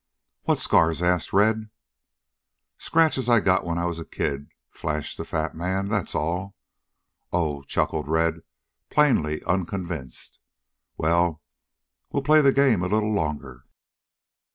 "What scars?" asked Red. "Scratches I got when I was a kid," flashed the fat man. "That's all." "Oh," chuckled Red, plainly unconvinced. "Well, we'll play the game a little longer."